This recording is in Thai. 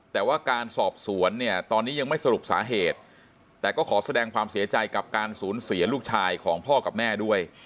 แต่ว่าการสอบสวนเนี่ยตอนนี้ยังไม่สรุปสาเหตุแต่ก็ขอแสดงความเสียใจกับการสูญเสียลูกชายของพ่อกับแม่ด้วย